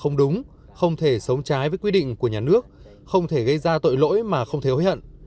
không đúng không thể sống trái với quy định của nhà nước không thể gây ra tội lỗi mà không thể hối hận